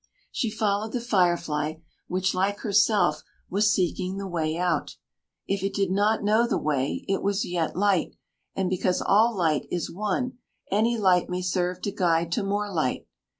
She followed the fire fly, which, like herself, was seeking the way out. If it did not know the way, it was yet light; and because all light is one, any light may serve to guide to more light.